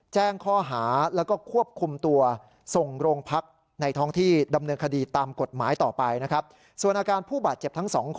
แจ้งข้อหาแล้วก็ควบคุมตัวส่งโรงพักษณ์ในท้องที่ดำเนินคดีตามกฎหมายต่อไปนะครับ